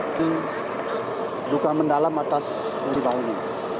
ini bukan mendalam atas peribah ini